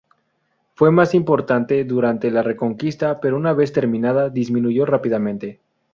Fue más importante durante la reconquista, pero una vez terminada disminuyó rápidamente.